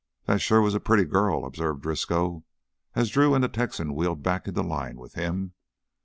"That sure was a pretty girl," observed Driscoll as Drew and the Texan wheeled back into line with him.